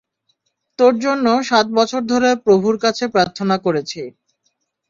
তোর জন্য সাত বছর ধরে প্রভুর কাছে প্রার্থনা করেছি!